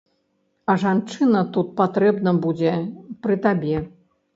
А жанчына тут патрэбна будзе, пры табе.